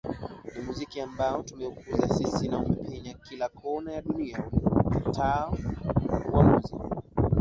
Ni muziki ambao tumeukuza sisi na umepenya kila kona ya dunia Ikitaoa uamuzi huo